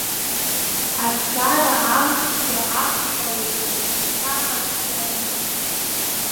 Ачара амшцәгьа ақәшәауеит, ишԥаҟасҵари?